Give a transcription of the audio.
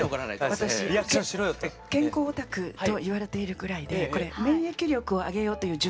私健康オタクと言われているぐらいでこれ「免疫力を上げよう」という１０か条なんです。